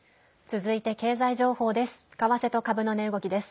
続いて、経済情報です。